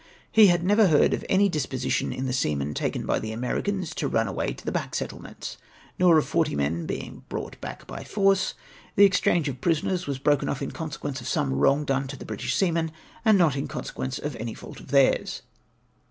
He had never heard of any disposition in the seamen, taken by the Americans, to run away to the back settlements ; nor of forty men being brought back by force. The ex change of prisoners was broken off in consequence of some wrong done to the British seamen, and not in consequence of any fault of theirs."